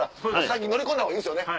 先乗り込んだほうがいいですよね